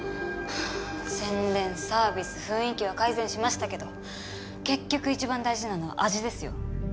宣伝サービス雰囲気は改善しましたけど結局一番大事なのは味ですよ。